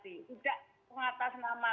tidak pengatas nama